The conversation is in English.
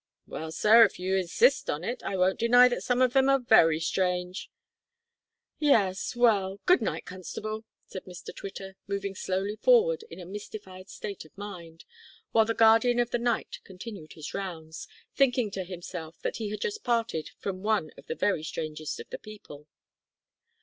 "Well, sir, if you insist on it, I won't deny that some of them are very strange." "Yes, well good night, constable," said Mr Twitter, moving slowly forward in a mystified state of mind, while the guardian of the night continued his rounds, thinking to himself that he had just parted from one of the very strangest of the people.